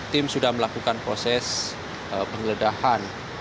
tim sudah melakukan proses penggeledahan